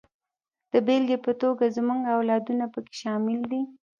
د بېلګې په توګه زموږ اولادونه پکې شامل دي.